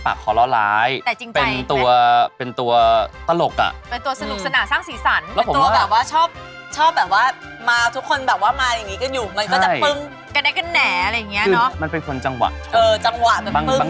ไม่แล้วเดี๋ยวเสน่ห์ของตัวละครตัวนี้